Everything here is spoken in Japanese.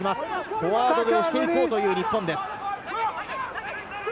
フォワードで押していこうという日本です。